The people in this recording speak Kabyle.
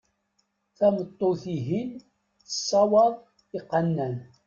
Tameṭṭut-ihin tessawaḍ iqannan.